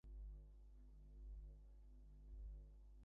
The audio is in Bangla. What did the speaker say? খপ করে ওর গলাটা চেপে ধরে ফেললাম।